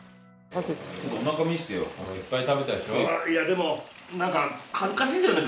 いやでもなんか。